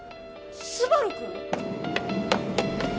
昴くん！？